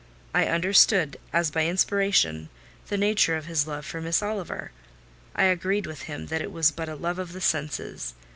I understood, as by inspiration, the nature of his love for Miss Oliver; I agreed with him that it was but a love of the senses.